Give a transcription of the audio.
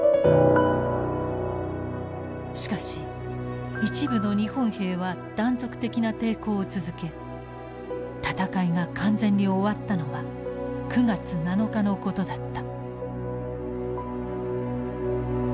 しかし一部の日本兵は断続的な抵抗を続け戦いが完全に終わったのは９月７日のことだった。